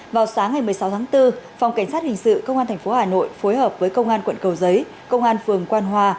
vào sáng ngày một mươi sáu tháng bốn phòng cảnh sát hình sự công an tp hà nội phối hợp với công an quận cầu giấy công an phường quan hoa